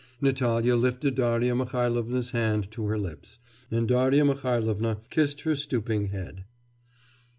Natalya lifted Darya Mihailovna's hand to her lips, and Darya Mihailovna kissed her stooping head.